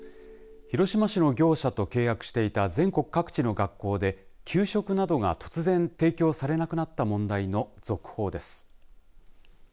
広島市の業者と契約していた全国各地の学校で給食などが突然提供されなくなった問題の続報です。